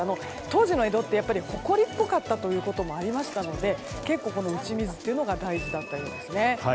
当時の江戸は、ほこりっぽかったということもありまして結構、打ち水というのが大事だったそうです。